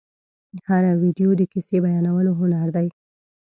هره ویډیو د کیسې بیانولو هنر دی.